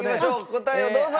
答えをどうぞ！